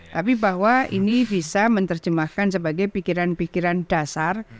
tapi bahwa ini bisa menerjemahkan sebagai pikiran pikiran dasar